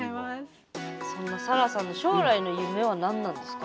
そんなさらさんの将来の夢は何なんですか？